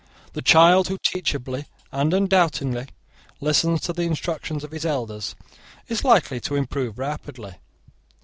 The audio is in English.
The child who teachably and undoubtingly listens to the instructions of his elders is likely to improve rapidly.